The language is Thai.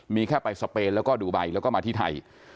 มีแค่ไปสเปนแล้วก็ดูไบแล้วก็มาที่ไทย